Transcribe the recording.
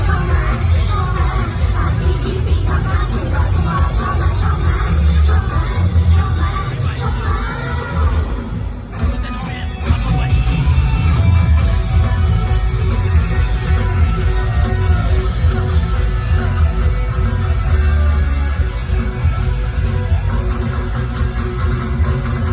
ทั้งที่อยู่ก็อายคนเห็นตัวเกินเราเป็นเป็นผู้ชายจริง